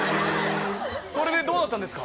それで、どうだったんですか？